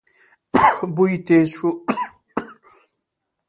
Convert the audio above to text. بوی تېز شو.